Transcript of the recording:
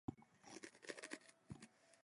She would also win several more Emmys.